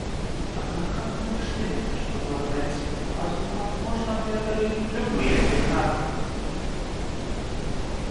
Однако мы убеждены, что, благодаря свету разума, можно преодолеть любые преграды.